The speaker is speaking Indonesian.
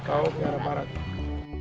ke arah barat